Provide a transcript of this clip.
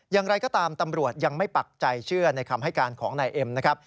อย่างไรก็ตามตำรวจยังไม่ปักใจเชื่อในคำให้การของนายเอ็มนะครับ